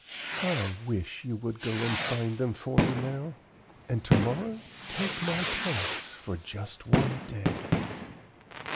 "I wish you would go and find them for me now, and to morrow take my place for just one day."